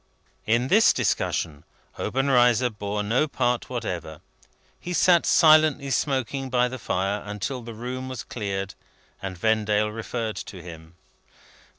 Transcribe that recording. In this discussion, Obenreizer bore no part whatever. He sat silently smoking by the fire until the room was cleared and Vendale referred to him.